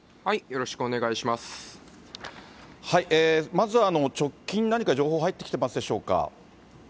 まずは直近、何か情報は入ってきていますでしょうか。